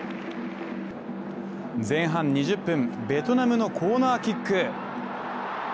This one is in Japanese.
前半２０分、ベトナムのコーナーキック。